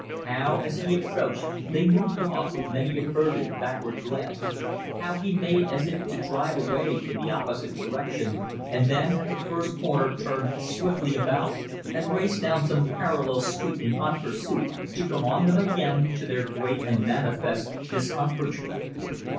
How as he approached they moved off with many a furtive backward glance; how he made as if to drive away in the opposite direction, and then at the first corner turned swiftly about and raced down some parallel street in hot pursuit, to come on them again, to their great and manifest discomfiture.